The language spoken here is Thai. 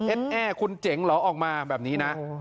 แอร์คุณเจ๋งเหรอออกมาแบบนี้นะ